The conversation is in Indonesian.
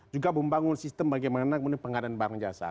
juga membangun sistem bagaimana kemudian pengadaan barang jasa